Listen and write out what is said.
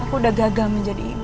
aku udah gagal menjadi